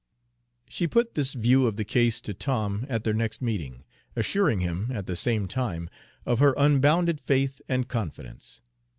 She put this view of the case to Tom at their next meeting, assuring him, at the same time, of her unbounded faith and confidence.